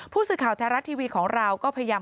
ผู้สื่อข่าวไทยรัฐทีวีของเราก็พยายาม